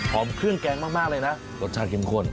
เครื่องแกงมากเลยนะรสชาติเข้มข้น